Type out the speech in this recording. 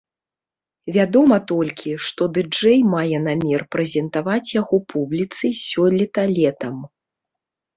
Вядома толькі, што ды-джэй мае намер прэзентаваць яго публіцы сёлета летам.